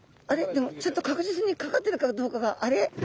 でもちょっと確実にかかってるかどうかが。